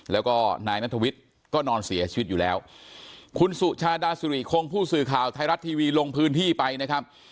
แล้วก็นายนัทวิทย์ก็นอนเสียชีวิตอยู่แล้วคุณสุชาดาสุริคงผู้สื่อข่าวไทยรัฐทีวีลงพื้นที่ไปนะครับ